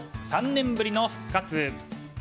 ３年ぶりの復活。